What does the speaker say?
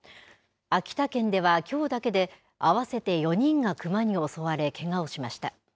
秋田県ではきょうだけで、合わせて４人がクマに襲われ、けがをしました。